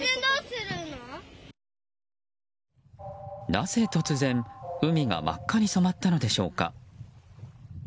なぜ突然、海が真っ赤に染まったのでしょうか。